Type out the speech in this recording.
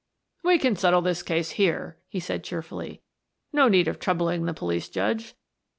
"We can settle the case here," he said cheerfully. "No need of troubling the police judge.